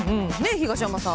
東山さん？